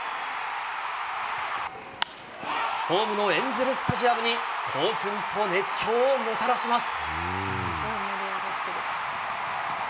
ホームのエンゼルスタジアムに興奮と熱狂をもたらします。